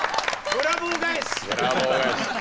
ブラボー返し。